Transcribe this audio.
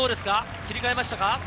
切り替えましたか？